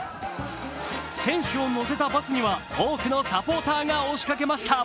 選手を乗せたバスには、多くのサポーターが押しかけました。